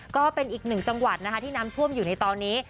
ก็เป็นอีกหนึ่งจังหวัดนะคะที่น้ำท่วมอยู่ในตอนนี้